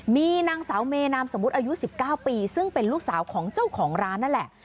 มีนางสาวเมนามสมมุติอายุ๑๙ปีซึ่งเป็นลูกสาวของเจ้าของร้านนั่นแหละ